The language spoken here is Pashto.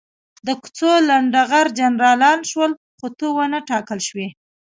د کوڅو لنډه غر جنرالان شول، خو ته ونه ټاکل شوې.